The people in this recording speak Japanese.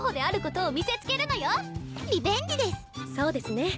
そうですね。